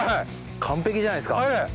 完璧じゃないですか！